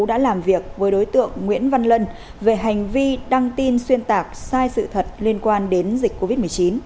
đã làm việc với đối tượng nguyễn văn lân về hành vi đăng tin xuyên tạc sai sự thật liên quan đến dịch covid một mươi chín